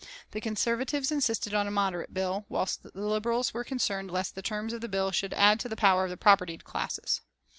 The Conservatives insisted on a moderate bill, whilst the Liberals were concerned lest the terms of the bill should add to the power of the propertied classes.